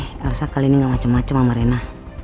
kalo sakal ini gak macem macem sama rena